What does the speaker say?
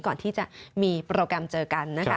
ก่อนที่จะมีโปรแกรมเจอกันนะคะ